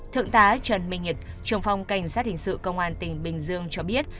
thượng tá trần minh nhật trưởng phong cảnh sát hình sự công an tỉnh bình dương cho biết